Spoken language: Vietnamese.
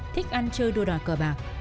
thích ăn chơi đua đòi cờ bạc